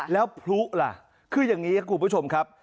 แล้วพลุล่ะคืออย่างนี้ครับคุณผู้ชมครับ